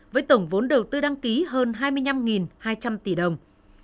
với tổng vốn đầu tư đăng ký hơn hai mươi năm hai trăm linh tỷ đồng